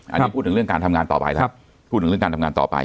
อันนี้พูดถึงเรื่องการทำงานต่อไปแล้วพูดถึงเรื่องการทำงานต่อไป